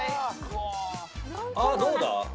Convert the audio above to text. あどうだ？